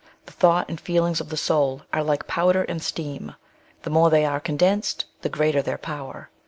The thought and feelings of the soul are like powder and steam — the more they are^ condensed, the greater their power.